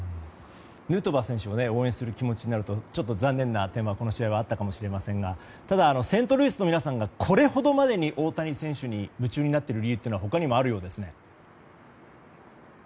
ヌートバー選手を応援する気持ちになるとちょっと残念な点はあったかもしれませんがただ、セントルイスの皆さんがこれほどまでに大谷選手に夢中になっている理由が他にもあるそうですね。